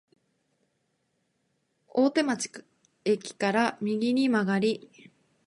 大手町駅から右に曲がり、